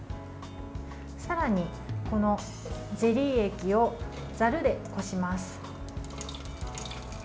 さらに、このゼリー液をざるでこします。